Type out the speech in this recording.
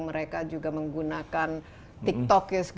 mereka juga menggunakan tiktok